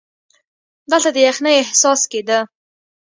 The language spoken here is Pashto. دلته د یخنۍ احساس کېده.